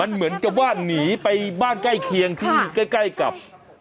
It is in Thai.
มันเหมือนจะว่าหนีไปใกล้แคียงที่ใกล้กับ